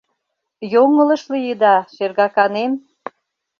Йоҥылыш лийыда, шергаканем.